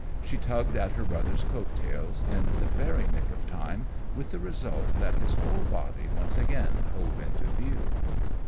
She tugged at her brother's coat tails in the very nick of time, with the result that his whole body once again hove into view.